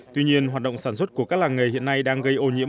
tuy nhiên hoạt động sản xuất của các làng nghề hiện nay đang gây ô nhiễm